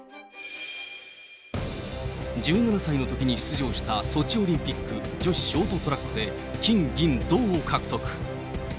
１７歳のときに出場したソチオリンピック女子ショートトラックで、金銀銅を獲得。